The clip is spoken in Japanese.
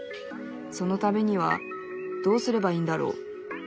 そのためにはどうすればいいんだろう。